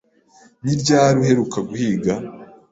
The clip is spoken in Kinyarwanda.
Ni ryari uheruka guhiga?